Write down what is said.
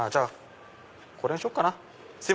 これにしようかな。